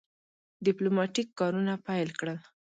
ډیپلوماټیک کارونه پیل کړل.